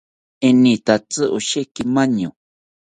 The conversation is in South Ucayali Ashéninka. Enitatzi osheki maño